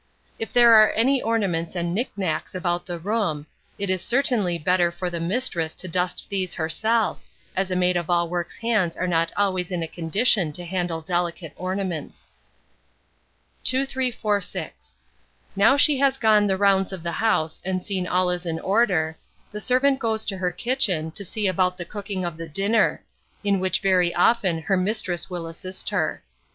If there are many ornaments and knick knacks about the room, it is certainly better for the mistress to dust these herself, as a maid of all work's hands are not always in a condition to handle delicate ornaments. 2346. Now she has gone the rounds of the house and seen that all is in order, the servant goes to her kitchen to see about the cooking of the dinner, in which very often her mistress will assist her.